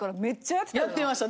やってました。